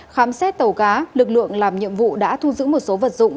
khám xét tàu cá lực lượng làm nhiệm vụ đã thu giữ một số vật dụng